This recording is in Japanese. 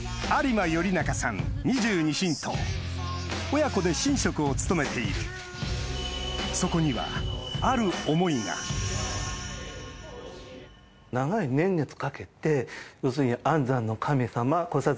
親子で神職を務めているそこにはある思いがそれを。